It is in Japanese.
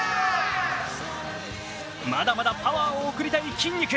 まだまだパワーを贈りたいきんに君。